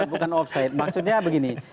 bukan offset maksudnya begini